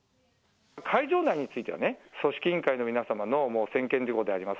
会場内についてはね、組織委員会の皆様の専権事項でございます。